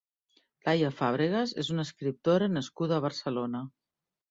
Laia Fàbregas és una escriptora nascuda a Barcelona.